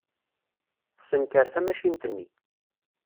Tessenker tamacint-nni.